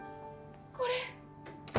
これ。